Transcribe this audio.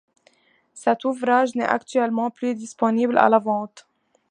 Cet ouvrage n'est actuellement plus disponible à la vente.